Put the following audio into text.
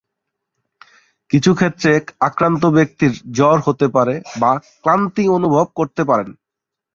কিছু ক্ষেত্রে আক্রান্ত ব্যক্তির জ্বর হতে পারে বা ক্লান্তি অনুভব করতে পারেন।